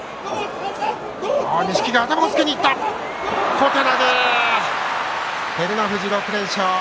小手投げ、照ノ富士６連勝。